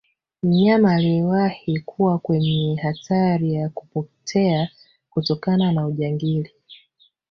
mnyama aliyewahi kuwa kwenye hatari ya kupotea kutokana na ujangili